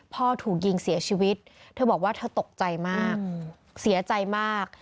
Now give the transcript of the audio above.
พ่อถูกยิงเสียชีวิตเธอบอกว่าเธอตกใจมากเสียใจมาก